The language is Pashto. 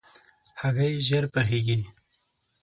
هګۍ ژر پخېږي.